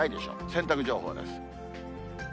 洗濯情報です。